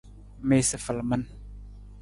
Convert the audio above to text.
Miisa falaman.